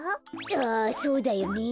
ああそうだよねえ。